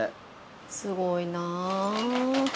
すごいなぁ。